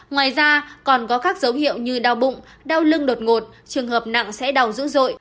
ngoài ra còn có các dấu hiệu như đau bụng đau lưng đột ngột trường hợp nặng sẽ đau dữ dội